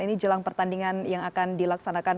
ini jelang pertandingan yang akan dilaksanakan